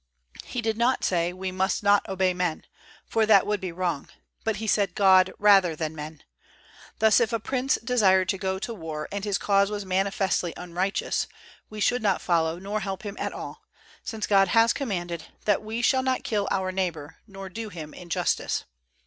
He did not say: "We must not obey men"; for that would be wrong; but he said: "God rather than men." Thus, if a prince desired to go to war, and his cause was manifestly unrighteous, we should not follow nor help him at all; since God has commanded that we shall not kill our neighbor, nor do him injustice.